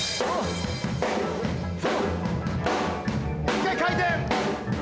一回回転。